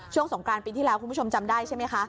สงกรานปีที่แล้วคุณผู้ชมจำได้ใช่ไหมคะ